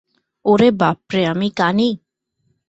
ওরে বাপরে, আমি কানী!